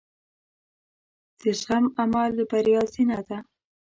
د زغم عمل د بریا زینه ده.